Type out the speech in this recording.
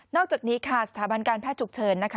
อกจากนี้ค่ะสถาบันการแพทย์ฉุกเฉินนะคะ